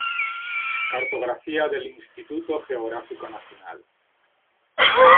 Cartografía del Instituto Geográfico Nacional